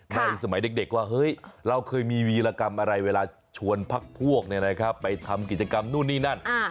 สมัยเด็กว่าเฮ้ยเราเคยมีวีรกรรมอะไรเวลาชวนพักพวกไปทำกิจกรรมนู่นนี่นั่น